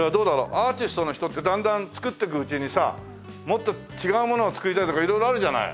アーティストの人ってだんだん作っていくうちにさもっと違うものを作りたいとか色々あるじゃない。